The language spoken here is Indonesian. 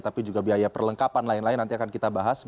tapi juga biaya perlengkapan lain lain nanti akan kita bahas